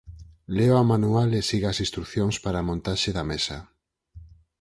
Lea o manual e siga as instrucións para a montaxe da mesa